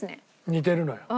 似てるのよ。